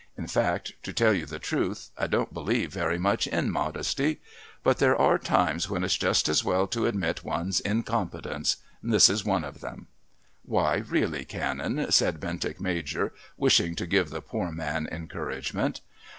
"In fact, to tell you the truth, I don't believe very much in modesty. But there are times when it's just as well to admit one's incompetence. This is one of them " "Why, really, Canon," said Bentinck Major, wishing to give the poor man encouragement.